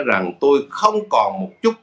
rằng tôi không còn một chút